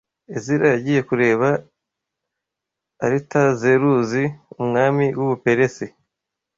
Ezira yagiye kureba Aritazeruzi umwami w’u Buperes